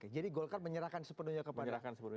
jadi golkar menyerahkan sepenuhnya kepada pak presiden